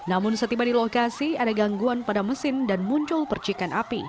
namun setiba di lokasi ada gangguan pada mesin dan muncul percikan api